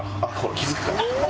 気付くから。